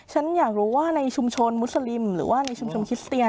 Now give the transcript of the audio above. ฉันอยากรู้ว่าในชุมชนมุสลิมหรือว่าในชุมชนคริสเตีย